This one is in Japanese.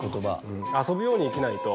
遊ぶように生きないと。